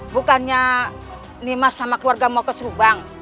bukannya nimas sama keluarga mau ke subang